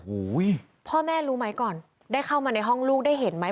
โอ้โหพ่อแม่รู้ไหมก่อนได้เข้ามาในห้องลูกได้เห็นไหม